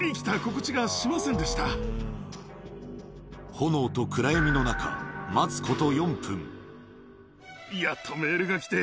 炎と暗闇の中待つこと